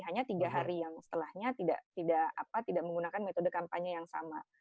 hanya tiga hari yang setelahnya tidak menggunakan metode kampanye yang sama